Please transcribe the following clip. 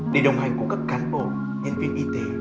để đồng hành cùng các cán bộ nhân viên y tế